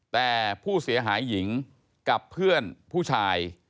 แต่ผู้เสียหายหญิงกับเพื่อนผู้ชาย